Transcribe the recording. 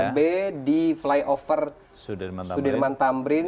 pan rb di flyover sudirman tambrin